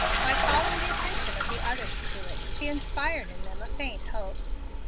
By calling the attention of the others to it, she inspired in them a faint hope.